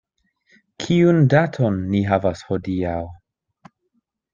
Kiun daton ni havas hodiaŭ?